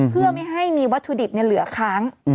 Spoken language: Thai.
เพื่อไม่ให้มีวัตถุดิบเหลือค้าง